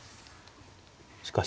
しかし。